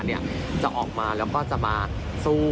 เนี่ยออกมาแล้วก็จะมาสู้